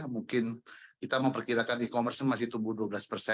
mungkin kita memperkirakan e commerce masih tumbuh dua belas persen